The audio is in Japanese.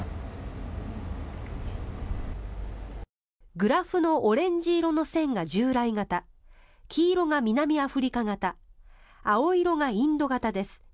グラフのオレンジ色の線が従来型黄色が南アフリカ型青色がインド型です。